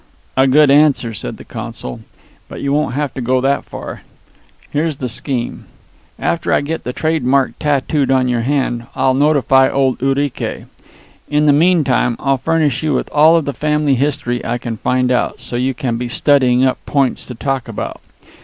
"A good answer," said the consul. "But you won't have to go that far. Here's the scheme. After I get the trademark tattooed on your hand I'll notify old Urique. In the meantime I'll furnish you with all of the family history I can find out, so you can be studying up points to talk about.